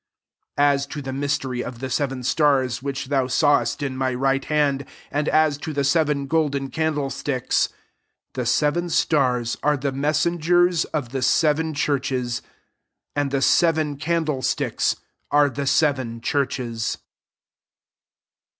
20 M to the mystery of the seven stars which thou sawest in my right hand, and as to the seven gulden can dlesticks; the seven stars are the ihessengers of the seven churches, and the seven can dlesticks are the seven churches.